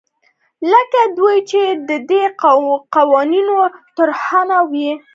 لکه دوی چې د دې قوانینو طراحان وي.